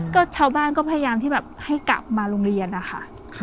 ก็ชาวบ้านก็พยายามที่แบบให้กลับมาโรงเรียนนะคะ